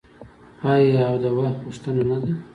آیا او د وخت غوښتنه نه ده؟